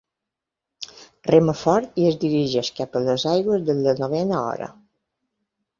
Rema fort i es dirigeix cap a les aigües de la novena hora.